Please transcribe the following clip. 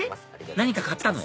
何か買ったの？